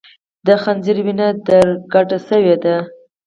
د خنځیر وینه در کډه سوې ده